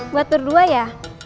buat berdua ya